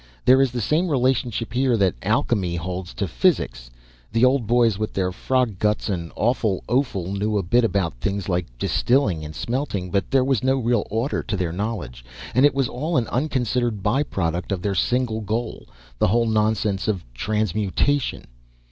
"There is the same relationship here that alchemy holds to physics. The old boys with their frog guts and awful offal knew a bit about things like distilling and smelting. But there was no real order to their knowledge, and it was all an unconsidered by product of their single goal, the whole nonsense of transmutation."